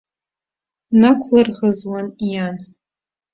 Нақәлырӷызуан иан.